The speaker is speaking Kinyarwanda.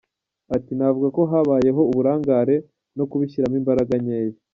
Ati ”Navuga ko habayeho uburangare no kubishyiramo imbaraga nkeya.